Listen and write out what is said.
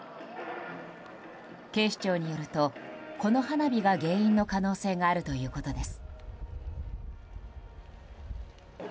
警視庁によるとこの花火が原因の可能性があるということです。